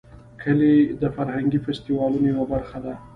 کلي د فرهنګي فستیوالونو یوه برخه ده.